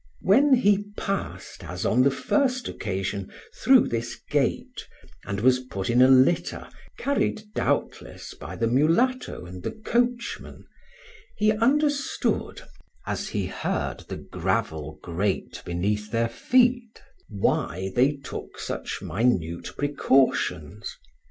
When he passed, as on the first occasion, through this gate, and was put in a litter, carried, doubtless by the mulatto and the coachman, he understood, as he heard the gravel grate beneath their feet, why they took such minute precautions.